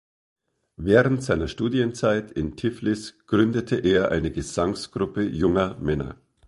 Während seiner Studienzeit in Tiflis gründete er eine Gesangsgruppe junger Männer.